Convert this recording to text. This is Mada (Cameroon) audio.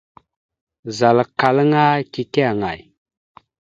Zal akkal aŋa teke aŋay ?